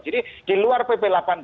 jadi di luar pp delapan belas